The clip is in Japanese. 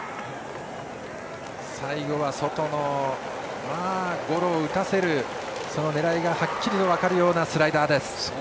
最後は外のゴロを打たせるその狙いがはっきりと分かるようなスライダーでした。